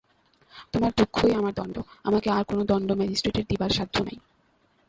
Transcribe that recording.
তোমার দুঃখই আমার দণ্ড, আমাকে আর-কোনো দণ্ড ম্যাজিস্ট্রেটের দিবার সাধ্য নাই।